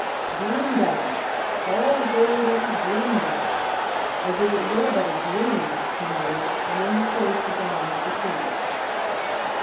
'Dreamed of! All the gold ever dreamed of! As if it were but a dream!' he muttered; and then he closed his eyes to think.